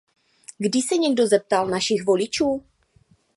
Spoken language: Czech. Kdy se někdo zeptal našich voličů?